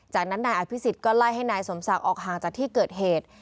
จากนั้นนายอภิษฎก็ไล่ให้นายสมศักดิ์ออกห่างจากที่เกิดเหตุ